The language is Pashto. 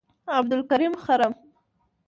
عبدالکریم خرم،